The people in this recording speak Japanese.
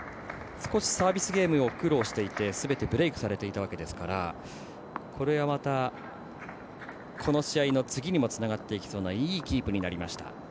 少しサービスゲームを苦労していて、すべてブレークされていたわけですからこれはまた、この試合の次にもつながっていきそうないいキープになりました。